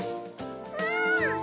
うん！